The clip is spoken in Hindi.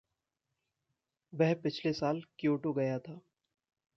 वह पिछले साल क्योटो गया था।